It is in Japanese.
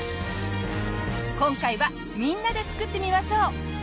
今回はみんなで作ってみましょう。